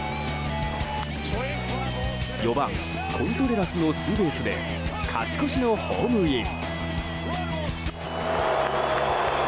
４番コントレラスのツーベースで勝ち越しのホームイン。